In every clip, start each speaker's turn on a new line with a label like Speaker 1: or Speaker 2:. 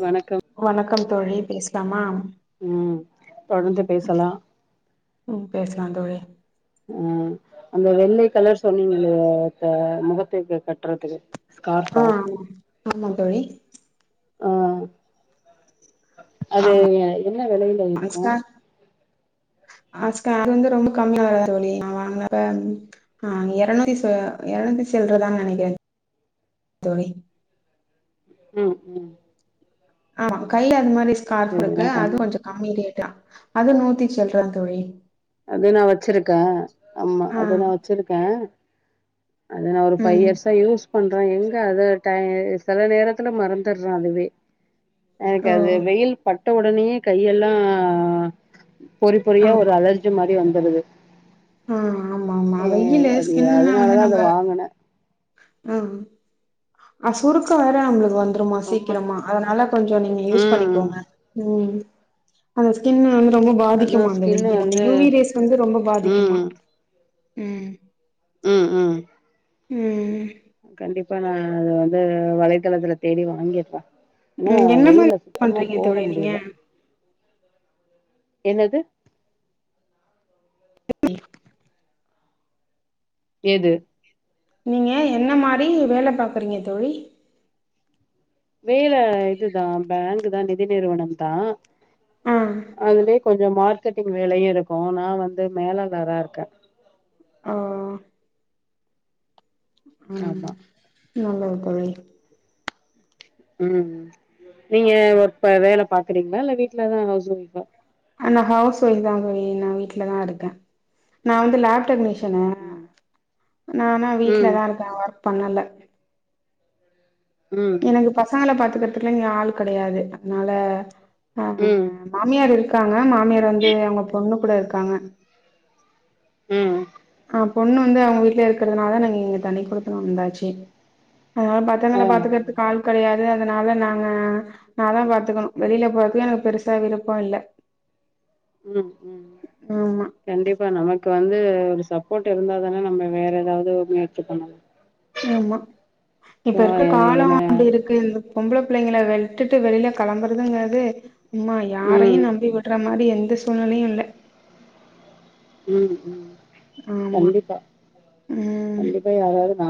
Speaker 1: வணக்கம்
Speaker 2: வணக்கம் தோழி பேசலாமா
Speaker 1: ம் தொடர்ந்து பேசலா
Speaker 2: ம் பேசலா தோழி
Speaker 1: ஆ அந்த வெள்ளை கலர் சொன்னீங்கல்லியா க முகத்துக்கு கட்டுறதுக்கு ஸ்கார்ஃபா
Speaker 2: ஆ ஆமா ஆமா தோழி
Speaker 1: ஆ அது என்ன வெலையில இருக்கூ
Speaker 2: ஆ ஸ்கா அது வந்து ரொம்ப கம்மியா வரா தோழி ந வாங்கினப்ப ஆ எருநூத்தி எரநூத்தி சில்றதா நெனைக்கிறே தோழி
Speaker 1: ம் ம்
Speaker 2: ஆ கைல அந் மாரி ஸ்கார்ப்
Speaker 1: சரி நா
Speaker 2: இருக்கு
Speaker 1: கண்
Speaker 2: அது கொஞ்சோ கம்மி ரேட் ல அது நூத்தி சில்ற அங்டு வை
Speaker 1: அது நான் வச்சிருக்கேன் ஆமா
Speaker 2: ஆ
Speaker 1: அது நான் வச்சிருக்கேன் அது நான் ஒரு ஃபைவ்
Speaker 2: ம்
Speaker 1: இர்ஸ்ஸா யூஸ் பண்றே எங்க அத டை சில நேரத்துல மறந்துட்றே அதுவே எனக்கு
Speaker 2: ஓ
Speaker 1: அது வெயில் பட் பட்ட உடனேயே கையெல்லாம் பொறி பொறியா ஒரு அலர் மாரி வந்துடுது
Speaker 2: ஆஹ் ஆமா ஆமா வெயிலு ஸ்கின்ன வந்து
Speaker 1: அதனாலதா அத
Speaker 2: நம்ம
Speaker 1: வாங்குனே
Speaker 2: ஆஹ் அ சுருக்க வேற நம்மளுக்கு வந் துருமா
Speaker 1: ரொம்ப நா
Speaker 2: சீக்கிரமா அதனால கொஞ்சம் நீங்க யூஸ்
Speaker 1: ம்
Speaker 2: பண்ணிக்கோங்க உம் அத ஸ்கின் ரொம்ப
Speaker 1: அதா
Speaker 2: பாதிக்குமா அந்த
Speaker 1: ஸ்கின்னு
Speaker 2: வெயில் அந்த
Speaker 1: வந்து
Speaker 2: யூவி ரேஸ் வந்து ரொம்ப பாதிக்குமா உம்
Speaker 1: உம் உம்
Speaker 2: உம்
Speaker 1: கண்டிப் இப்ப நா அது வந்து வலைத்தளத்துல தேடி வாங்கிருப்பே ஆனா
Speaker 2: ம் என்ன மாரி
Speaker 1: வெயில்ல சுத்தமா
Speaker 2: பண்றீங்க
Speaker 1: போக
Speaker 2: தோழி நீங்க
Speaker 1: முடியல என்னது
Speaker 2: [inaudible]
Speaker 1: எது
Speaker 2: நீங்க என்ன மாரி வேல பாக்குறீங்க தோழி
Speaker 1: வேல இதுதான் பேங்க்தா நிதி நிறுவனம்தா
Speaker 2: ஆ
Speaker 1: அதுலயே கொஞ் ச மார்க்கெட்டிங் வேலயு இருக்கும் நா வந்து மேலதாரா இருக்கேன்
Speaker 2: ஆஹ் உம்
Speaker 1: ஆமா
Speaker 2: நல்லது தோழி
Speaker 1: ம் நீங்க ஒருப்ப வேல பாக்குறீங்களா இல்ல வீட்லதா ஹவுஸ் ஒய்ஃபா
Speaker 2: அ நா ஹவுஸ் ஒய்ஃப்தா தோழி நான் வீட்லதா இருக்கே நா வந்து லேப் டெக்னீஷியனு
Speaker 1: ம் ம்
Speaker 2: நா ஆனா
Speaker 1: ம்
Speaker 2: வீட்லதான் இருக்கே வொர்க் பண்ணல
Speaker 1: ம்
Speaker 2: எனக்கு பசங்கள பாத் துக்கிறதுக்குலா இங்க ஆள் கெடையாது அதுனால ஆஹ்
Speaker 1: ம்
Speaker 2: மாமியார் இரு அ மாமியார் வந்து அவங்க பொண்ணு கூட இருக்கா காங்க
Speaker 1: ம்
Speaker 2: அ பொண்ணு வந்து அவங்க வீட்லயே இருக்கறதுனால தா நாங்க இங்க தனி குடுத்தனு வந்தாச்சு அதனால
Speaker 1: ஆ
Speaker 2: பத்தங்கள பாத்துக்கறதுக்கு ஆள் கெடையாது அது அதனால நாங்க நாந்தா பாத்துக்கணு வெளில இப்ப வரைக்கு எனக்கு பெருசா விருப்போ இல்ல
Speaker 1: ம் ம்
Speaker 2: ஆமா
Speaker 1: கண்டிப்பா நமக்கு வந் ஒரு சப்போர்ட் இருந்தா தான நம்ம வேற எதாவது ஒரு முயற்சி பண்ணலா
Speaker 2: ஆமா இப்ப
Speaker 1: ஆ
Speaker 2: இருக்குற
Speaker 1: எ
Speaker 2: காலோ
Speaker 1: என
Speaker 2: அப்டி இருக்கு பொம்பள பிள்ளைங்கள வெட்டுட்டு வெளில கெளம்புறதுங்குறது உம்மா யாரையு
Speaker 1: ம்
Speaker 2: நம்பி விடுற மாரி எந் இந்த சூழ்நிலையு இல்ல
Speaker 1: ம் ம்
Speaker 2: ஆமா
Speaker 1: கண்டிப்பா
Speaker 2: ம்
Speaker 1: கண்டிப்பா யாராவது நா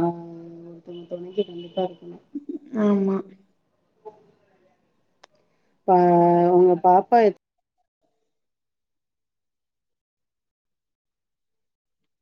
Speaker 1: [unintelligible]
Speaker 2: ஆமா
Speaker 1: ஆ ஊங்க பாப்பா எ